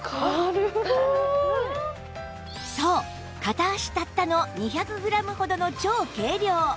そう片足たったの２００グラムほどの超軽量！